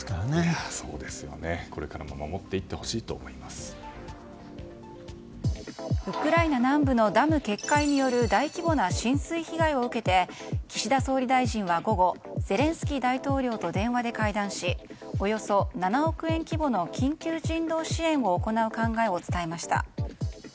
これからもウクライナ南部のダム決壊による大規模な浸水被害を受けて岸田総理大臣は午後ゼレンスキー大統領と電話で会談しおよそ７億円規模の緊急人道支援を行う考えを伝えました。